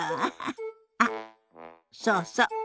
あっそうそう。